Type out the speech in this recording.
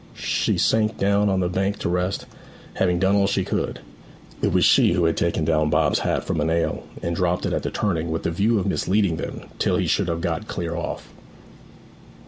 She sank down on the bank to rest, having done all she could. It was she who had taken down Bob's hat from a nail, and dropped it at the turning with the view of misleading them till he should have got clear off.